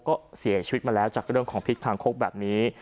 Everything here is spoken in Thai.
ก็เสียชีวิตมาแล้วจากเรื่องของทิศทางคกแบบนี้